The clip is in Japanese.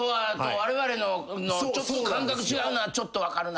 ちょっと感覚違うのはちょっと分かるな。